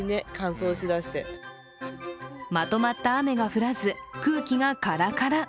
まとまった雨が降らず、空気がカラカラ。